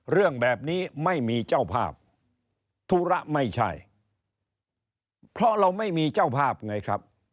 เรื่องแบบนี้ไม่มีเจ้าภาพธุระไม่ใช่เพราะเราไม่มีเจ้าภาพไงครับ